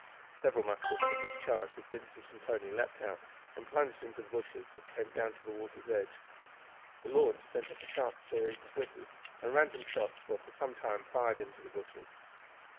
Several muskets were discharged as Vincent and Tony leaped out and plunged into the bushes that came down to the water's edge. The launch sent up a sharp series of whistles, and random shots were for some time fired into the bushes.